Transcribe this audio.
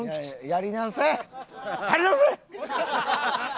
やり直せ！